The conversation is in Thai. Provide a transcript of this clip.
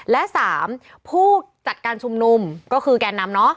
และ๓ผู้จัดการชุมนุมก็คือแกนนำ